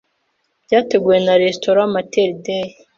Byateguwe na Restaurant Matel Dei